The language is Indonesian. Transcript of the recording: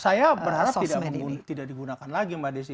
saya berharap tidak digunakan lagi mbak desi